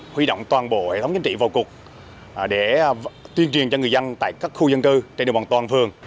huy động toàn bộ hệ thống chính trị vào cuộc để tuyên truyền cho người dân tại các khu dân cư trên địa bàn toàn phường